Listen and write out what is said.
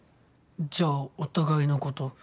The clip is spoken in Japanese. じゃあお互いのこと。